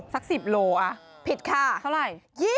สัก๑๐กิโลกรัมอ่ะพิษค่ะเท่าไหร่